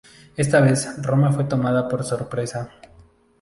Esta vez Roma fue tomada por sorpresa.